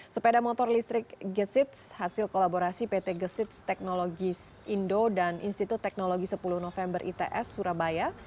sepeda motor listrik gesits hasil kolaborasi pt gesips teknologis indo dan institut teknologi sepuluh november its surabaya